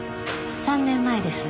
３年前です。